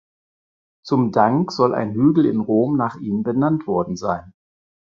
Zum Dank soll ein Hügel in Rom nach ihm benannt worden sein.